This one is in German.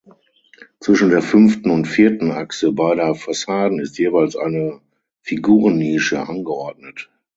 Zwischen der fünften und vierten Achse beider Fassaden ist jeweils eine Figurennische angeordnet.